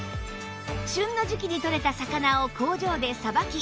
旬の時季にとれた魚を工場でさばき